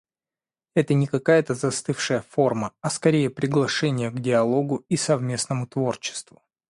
Это не какая-то застывшая форма, а, скорее, приглашение к диалогу и совместному творчеству.